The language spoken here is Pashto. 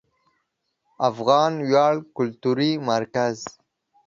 افغان ویاړ کلتوري مرکز